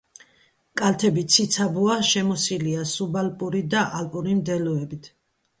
კალთები ციცაბოა, შემოსილია სუბალპური და ალპური მდელოებით.